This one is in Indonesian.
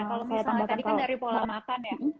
kalau misalnya tadi kan dari pola makan ya